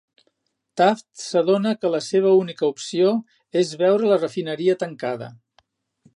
Taft s'adona que la seva única opció és veure la refineria tancada.